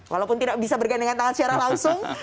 walaupun tidak bisa bergandengan tangan secara langsung